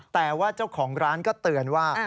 แต่ว่าเจ้าของร้านก็เตือนว่า